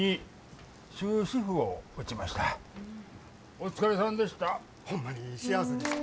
お疲れさんでした。